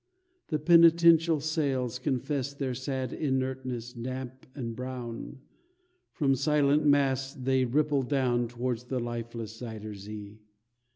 The penitential sails confess Their sad inertness, damp and brown, From silent masts they ripple down Towards the lifeless Zuyder Zee.